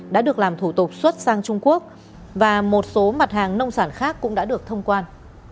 đã được làm thủ tục xuất sang trung quốc và một số mặt hàng nông sản khác cũng đã được thông quan